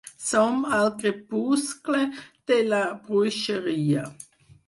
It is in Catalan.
Som al crepuscle de la bruixeria.